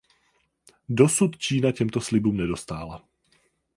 Dosud Čína těmto slibům nedostála.